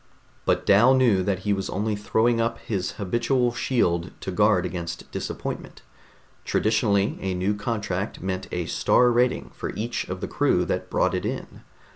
But Dal knew that he was only throwing up his habitual shield to guard against disappointment. Traditionally, a new contract meant a Star rating for each of the crew that brought it in.